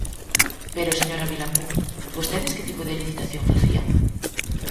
Pero, señora Vilapún, ¿vostedes que tipo de licitación facían?